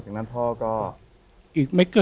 พี่น้องรู้ไหมว่าพ่อจะตายแล้วนะ